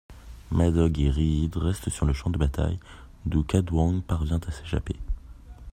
Madog et Rhyrid restent sur le champ de bataille d'où Cadwgan parvient à s'échapper.